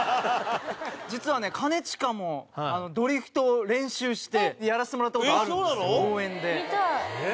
実は、兼近もドリフトを練習してやらせてもらったことあるんですよ、応援で。